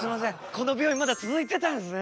この病院まだ続いてたんですね。